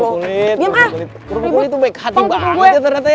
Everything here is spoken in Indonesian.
kerupuk kulit tuh baik hati banget ya ternyata yo